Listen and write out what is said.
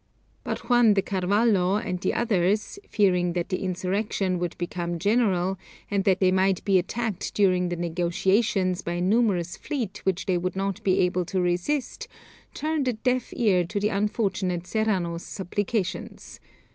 But Juan de Carvalho and the others, fearing that the insurrection would become general, and that they might be attacked during the negotiations by a numerous fleet which they would not be able to resist, turned a deaf ear to the unfortunate Serrano's supplications.